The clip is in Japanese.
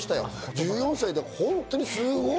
１４歳で本当にすごい！